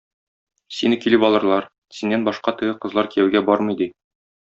Сине килеп алырлар, синнән башкага теге кызлар кияүгә бармый, ди.